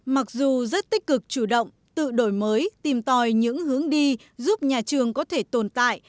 mặc dù rất tích cực chủ động tự đổi mới tìm tòi những hướng đi giúp nhà trường có thể tồn tại